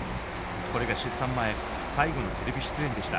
これが出産前最後のテレビ出演でした。